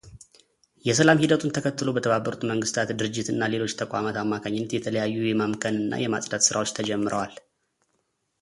የሰላም ሂደቱን ተከትሎ በተባበሩት መንግሥታት ድርጅት እና ሌሎች ተቋማት አማካኝነት የተለያዩ የማምከንና የማጽዳት ሥራዎች ተጀምረዋል።